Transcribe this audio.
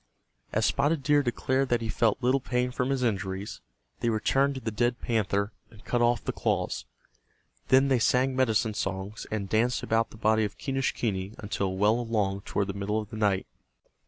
As Spotted Deer declared that he felt little pain from his injuries, they returned to the dead panther and cut off the claws. Then they sang medicine songs, and danced about the body of Quenischquney until well along toward the middle of the night.